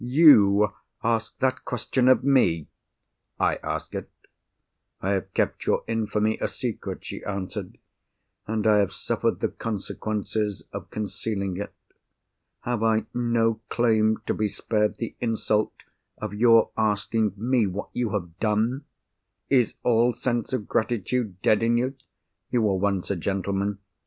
You ask that question of me?" "I ask it." "I have kept your infamy a secret," she answered. "And I have suffered the consequences of concealing it. Have I no claim to be spared the insult of your asking me what you have done? Is all sense of gratitude dead in you? You were once a gentleman.